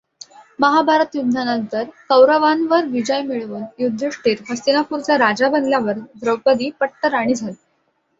महाभारत युद्धानंतर कौरवांवर विजय मिळवून युधिष्ठिर हस्तिनापूरचा राजा बनल्यावर द्रौपदी पट्टराणी झाली.